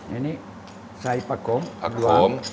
อันนี้ใส่ปลาโกม